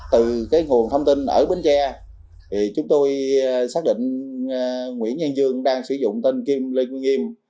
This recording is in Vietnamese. từ cái nguồn thông tin ở bến tre thì chúng tôi xác định nguyễn nhân dương đang sử dụng tên kim lê quỳnh nghiêm